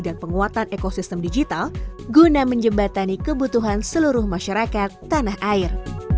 dan penguatan ekosistem digital guna menjembatani kebutuhan seluruh masyarakat tanah air